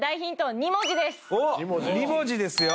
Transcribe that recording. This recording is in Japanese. ２文字ですよ